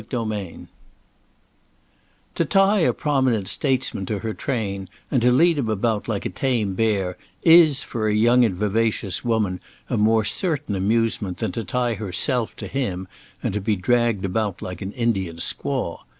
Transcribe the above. Chapter V TO tie a prominent statesman to her train and to lead him about like a tame bear, is for a young and vivacious woman a more certain amusement than to tie herself to him and to be dragged about like an Indian squaw.